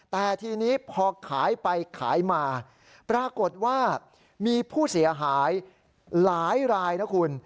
แต่ทีนี้พอขายไปขายมาปรากฏว่ามีผู้เสียหายหลายรายนะคุณ